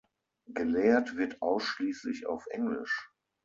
Gelehrt wird ausschließlich auf Englisch.